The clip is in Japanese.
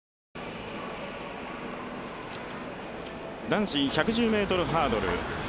男子１１０ｍハードル。